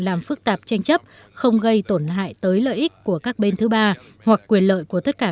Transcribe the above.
làm phức tạp tranh chấp không gây tổn hại tới lợi ích của các bên thứ ba hoặc quyền lợi của tất cả